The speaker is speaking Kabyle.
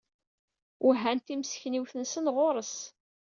Wehhan timeskenwin-nsen ɣur-s.